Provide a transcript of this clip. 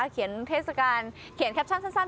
เทศกาลเขียนแคปชั่นสั้น